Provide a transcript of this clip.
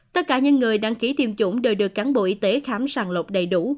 tất cả những người đăng ký tiêm chủng đều được cán bộ y tế khám sàng lọc đầy đủ